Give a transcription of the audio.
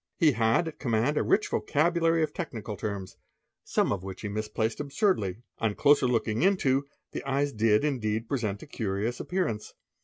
He had at command a rich vocabulary of technical terms, some of which he misplaced absurdly. On closer looking into, the eyes did indeed present a curious appearance.